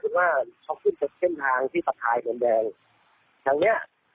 ถึงว่าเขาขึ้นจากเส้นทางที่ตัดทายเมืองแดงอย่างเนี้ย